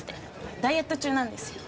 ダイエット中なんですよ。